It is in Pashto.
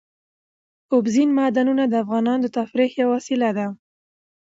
اوبزین معدنونه د افغانانو د تفریح یوه وسیله ده.